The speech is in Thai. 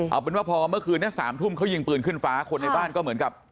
เอาเป็นว่าพอเมื่อคืนนี้๓ทุ่มเขายิงปืนขึ้นฟ้าคนในบ้านก็เหมือนกับ